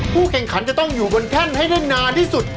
แข่งขันจะต้องอยู่บนแท่นให้ได้นานที่สุด